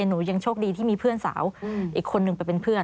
หนูยังโชคดีที่มีเพื่อนสาวอีกคนนึงไปเป็นเพื่อน